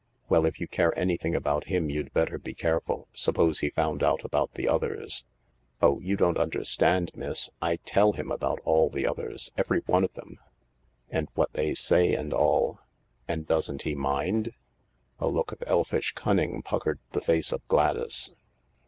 " Well, if you care anything about him you'd better be careful. Suppose he found out about the others ?"" Oh, you don't understand, miss. I tell him about all the others, every one of them, and what they say and all," " And doesn't he mind ?" A look of elfish cunning puckered the face of Gladys.